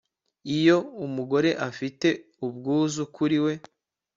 Iyo umugore afite ubwuzu kuri we